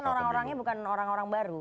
tapi kan orang orangnya bukan orang orang baru